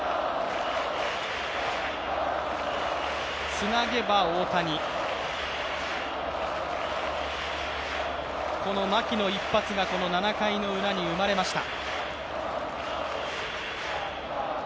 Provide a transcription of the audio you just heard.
つなげば大谷、牧の一発が７回のウラに生まれました。